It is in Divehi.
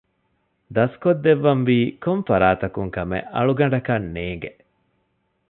ދަސްކޮށްދެއްވަންވީ ކޮންފަރާތަކުން ކަމެއް އަޅުގަނޑަކަށް ނޭނގެ